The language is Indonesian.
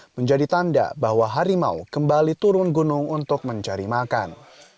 menjadi tanda bahwa harimau kembali turun gunung untuk mencari makan